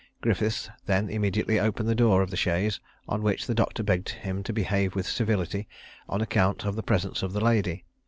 Griffiths then immediately opened the door of the chaise; on which the doctor begged him to behave with civility, on account of the presence of the lady.